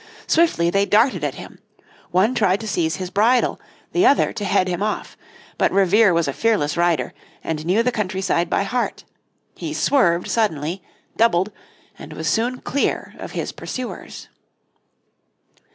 Swiftly they darted at him. One tried to seize his bridle, the other to head him off. But Revere was a fearless rider, and knew the countryside by heart. He swerved suddenly, doubled, and was soon clear of his pursuers.